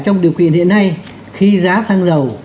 trong điều quyền hiện nay khi giá sang dầu